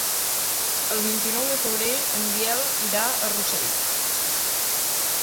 El vint-i-nou de febrer en Biel irà a Rossell.